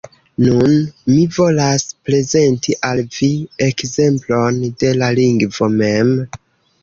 Nun mi volas prezenti al vi ekzemplon de la lingvo mem